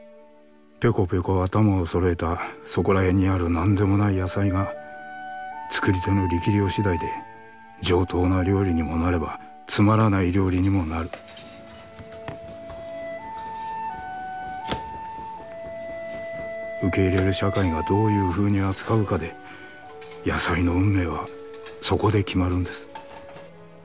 ぴょこぴょこ頭を揃えたそこらへんにある何でもない野菜が作り手の力量次第で上等な料理にもなればつまらない料理にもなる受け入れる社会がどういうふうに扱うかで野菜の運命はそこで決まるんです。